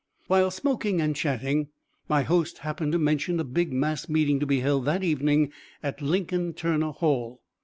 While smoking and chatting, my host happened to mention a big mass meeting to be held that evening at Lincoln Turner Hall.